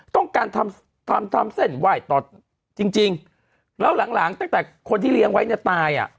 ต้องการทำเส้นไหว้ต่อจริงแล้วหลังตั้งแต่คนที่เลี้ยงไว้ตาย